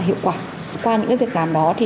hiệu quả qua những cái việc làm đó thì